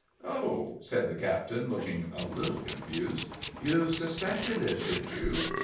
"Oh!" said the captain, looking a little confused, "you suspected it, did you?"